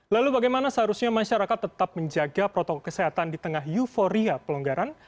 lalu bagaimana seharusnya masyarakat tetap menjaga protokol kesehatan di tengah euforia pelonggaran